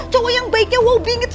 cowok yang baiknya wow bingits